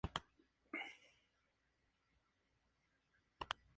Deberán hacer que los últimos "descubran" donde se encuentran y los "destruyan".